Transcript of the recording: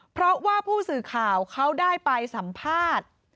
เพราะว่าผู้สื่อข่าวเขาได้ไปสัมภาษณ์